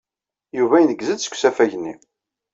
Yuba ineggez-d seg usafag-nni.